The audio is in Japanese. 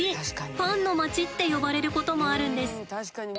「パンの街」って呼ばれることもあるんです。